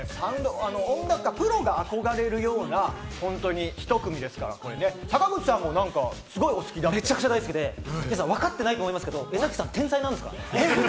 音楽はプロが憧れるような、本当に１組ですから、坂口さんもすごくお好きだっめちゃくちゃ大好きで、皆さんわかってないですけど、皆さん、天才なんですからね。